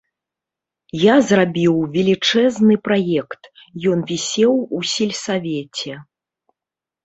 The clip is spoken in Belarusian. Я зрабіў велічэзны праект, ён вісеў у сельсавеце.